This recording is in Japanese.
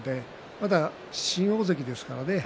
まだ新大関ですからね。